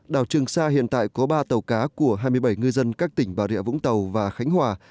đảo trường sa hiện tại có ba tàu cá của hai mươi bảy ngư dân các tỉnh bà rịa vũng tàu và khánh hòa